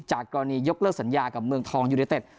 กรณียกเลิกสัญญากับเมืองทองยูเนเต็ด